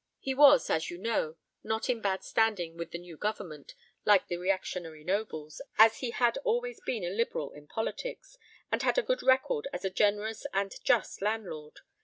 He was, as you know, not in bad standing with the new Government, like the reactionary nobles, as he had always been a liberal in politics, and had a good record as a generous and just landlord.